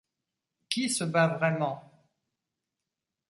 Qui se bat vraiment ?